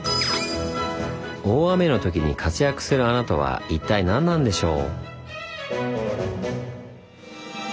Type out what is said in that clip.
大雨のときに活躍する穴とは一体何なんでしょう？